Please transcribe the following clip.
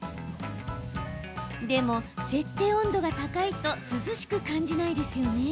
でも、設定温度が高いと涼しく感じないですよね。